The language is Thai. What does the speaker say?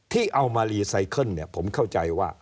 ที่เอามารีไซเคิลผมเข้าใจว่า